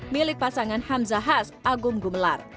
milik pasangan hamzahas agung gumelar